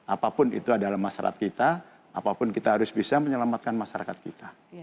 apapun itu adalah masyarakat kita apapun kita harus bisa menyelamatkan masyarakat kita